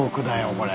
これ。